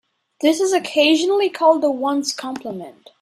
This is occasionally called a ones' complement.